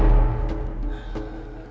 kenapa kamu kecil